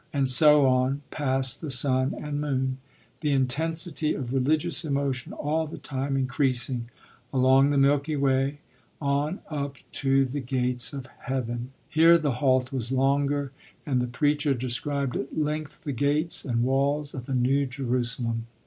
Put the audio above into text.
And so on, past the sun and moon the intensity of religious emotion all the time increasing along the milky way, on up to the gates of heaven. Here the halt was longer, and the preacher described at length the gates and walls of the New Jerusalem.